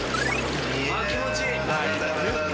あっ気持ちいい！